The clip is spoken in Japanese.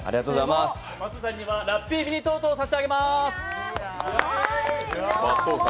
松下さんには、ラッピーミニトートを差し上げます。